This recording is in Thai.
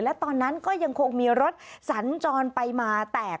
และตอนนั้นก็ยังคงมีรถสัญจรไปมาแตก